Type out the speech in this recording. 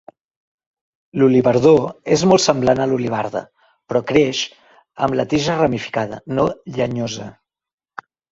L'olivardó és molt semblant a l'olivarda, però creix amb la tija ramificada no llenyosa.